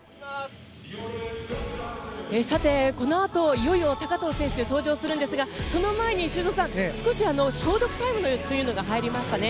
このあといよいよ高藤選手が登場するんですがその前に修造さん少し消毒タイムが入りましたね。